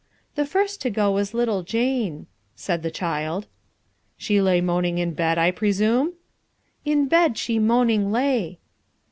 "The first to go was little Jane," said the child. "She lay moaning in bed, I presume?" "In bed she moaning lay."